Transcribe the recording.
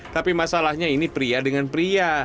tapi masalahnya ini pria dengan pria